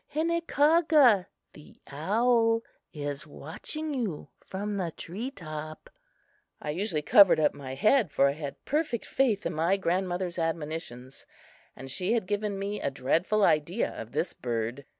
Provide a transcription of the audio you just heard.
Hinakaga (the owl) is watching you from the tree top." I usually covered up my head, for I had perfect faith in my grandmother's admonitions, and she had given me a dreadful idea of this bird.